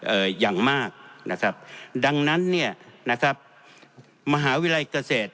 เอ่ออย่างมากนะครับดังนั้นเนี่ยนะครับมหาวิทยาลัยเกษตร